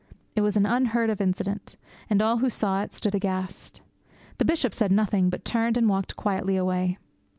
It was an unheard of incident, and all who saw it stood aghast. The Bishop said nothing, but turned and walked quietly away.